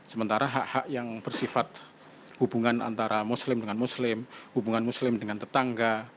sementara hak hak yang bersifat hubungan antara muslim dengan muslim hubungan muslim dengan tetangga